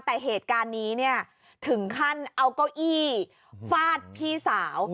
แต่เหตุการณ์นี้เนี่ยถึงขั้นเอาเก้าอี้ฟาดพี่สาว